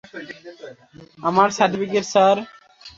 আমার certificate, sir.